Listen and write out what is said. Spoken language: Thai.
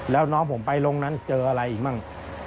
แล้วน้องผมไปลงนั้นเจออะไรอีกบ้าง